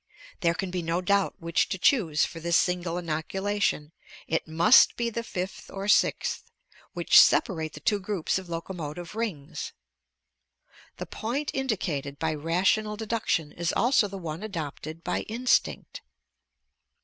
There can be no doubt which to choose for this single inoculation; it must be the fifth or sixth, which separate the two groups of locomotive rings. The point indicated by rational deduction is also the one adopted by instinct.